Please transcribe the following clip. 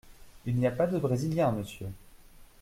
Il n’y a pas de Brésilien, monsieur !